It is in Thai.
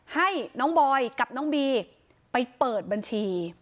ให้น้องบอยกับน้องบีไปเปิดบัญชี